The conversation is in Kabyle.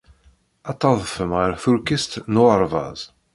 Ad tadfem ɣer tuṛkist n uɣerbaz.